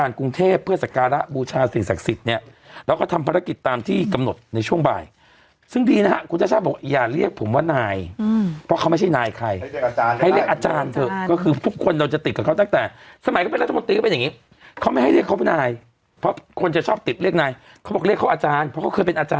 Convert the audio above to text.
อันเนี้ยเอาโลกของความเป็นจริงคือทุกคนอ่ะก็ใส่ไปแค่หน้าร้าน